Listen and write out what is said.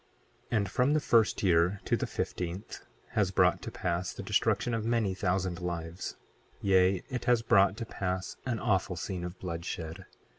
28:10 And from the first year to the fifteenth has brought to pass the destruction of many thousand lives; yea, it has brought to pass an awful scene of bloodshed.